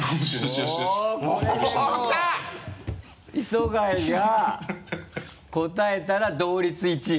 磯貝が答えたら同率１位。